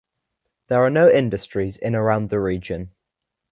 There are no industries in around the region.